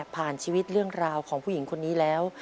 ชีวิตเรื่องราวของผู้หญิงคนนี้แล้ว